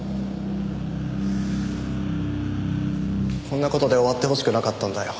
こんな事で終わってほしくなかったんだよ。